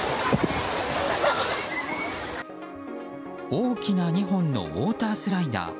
大きな２本のウォータースライダー。